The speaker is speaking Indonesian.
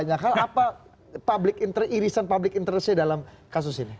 banyak hal apa irisan publik interesse dalam kasus ini